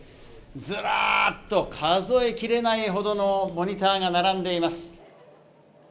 ずらーっと数えきれないほどのモニターが並んでいます。